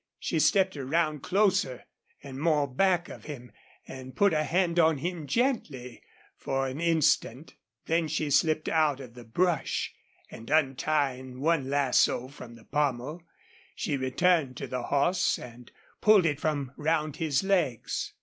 She stepped around, closer, and more back of him, and put a hand on him, gently, for an instant. Then she slipped out of the brush and, untying one lasso from the pommel, she returned to the horse and pulled it from round his legs.